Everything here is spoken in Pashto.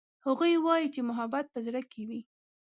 هغوی وایي چې محبت په زړه کې وي